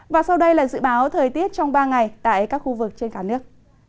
và sau đây là dự báo thời tiết trong ba ngày tại các khu vực trên cả nước